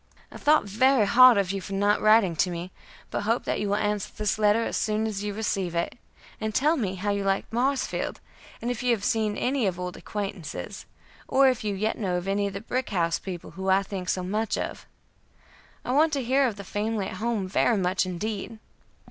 "I thought very hard of you for not writing to me, but hope that you will answer this letter as soon as you receive it, and tell me how you like Marsfield, and if you have seen any of old acquaintances, or if you yet know any of the brick house people who I think so much of. I want to hear of the family at home very much, indeed.